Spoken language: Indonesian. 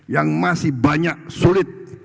yang masih banyak sulit